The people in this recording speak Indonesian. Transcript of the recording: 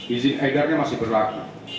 izin edarnya masih berlaku